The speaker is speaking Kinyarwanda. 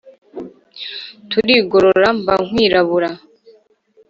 Turigorora mba nkwirabura